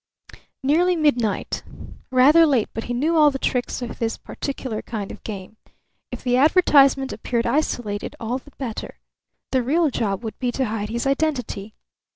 Nearly midnight. Rather late, but he knew all the tricks of this particular kind of game. If the advertisement appeared isolated, all the better. The real job would be to hide his identity.